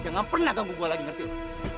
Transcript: jangan pernah ganggu gue lagi ngerti